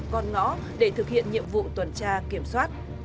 con ngõ để thực hiện nhiệm vụ tuần tra kiểm soát